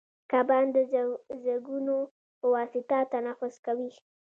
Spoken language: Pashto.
کبان د زګونو په واسطه تنفس کوي